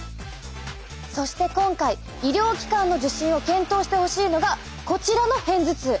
そして今回医療機関の受診を検討してほしいのがこちらの片頭痛。